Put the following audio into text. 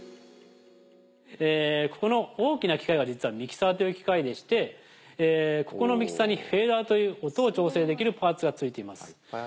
ここの大きな機械は実はミキサーという機械でしてここのミキサーにフェーダーという音を調整できるパーツが付いています。